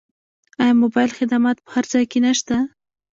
آیا موبایل خدمات په هر ځای کې نشته؟